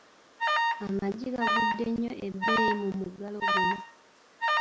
Amaggi gagudde nnyo ebbeeyi mu muggalo guno.